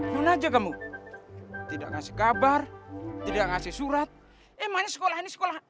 pun aja kamu tidak ngasih kabar tidak ngasih surat emangnya sekolah ini sekolah